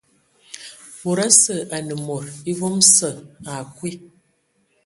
Mod osə anə mod evom sə akwi.